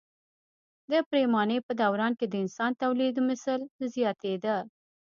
د پریمانۍ په دوران کې د انسان تولیدمثل زیاتېده.